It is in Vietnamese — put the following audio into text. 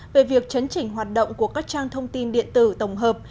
về việc chấn chỉnh hoạt động của các trang thông tin điện tử tổng hợp